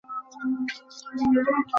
এটি চীনের তিতীয় সর্বোচ্চ ভবন।